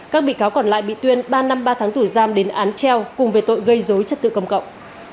các bị cáo còn lại bị tuyên ba năm ba tháng tù giam đến án treo cùng về tội gây dối chất tự công cộng